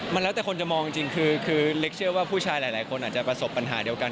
มันแล้วแต่คนจะมองจริงคือเล็กเชื่อว่าผู้ชายหลายคนอาจจะประสบปัญหาเดียวกัน